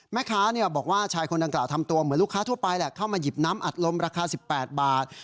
แม่ค้าบอกว่าชายคนดังกล่าวทำตัวเหมือนลูกค้าทั่วไปแหละเข้ามาหยิบน้ำอัดลมราคา๑๘บาท